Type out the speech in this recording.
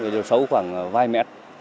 điều sâu khoảng vài mét